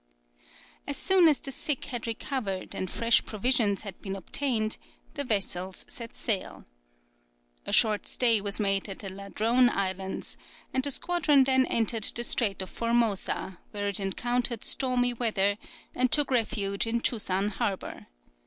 As soon as the sick had recovered and fresh provisions had been obtained the vessels set sail. A short stay was made at the Ladrone Islands, and the squadron then entered the Strait of Formosa, where it encountered stormy weather, and took refuge in Chusan Harbour.